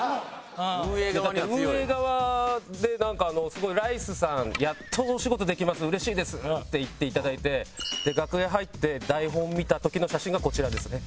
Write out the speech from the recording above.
運営側でなんか「ライスさんやっとお仕事できますうれしいです」って言っていただいて楽屋入って台本見た時の写真がこちらですね。